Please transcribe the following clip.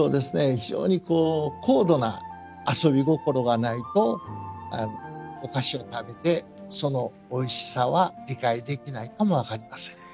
非常に高度な遊び心がないとお菓子を食べてそのおいしさは理解できないかも分かりません。